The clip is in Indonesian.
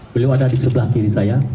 beliau ada di sebelah kiri saya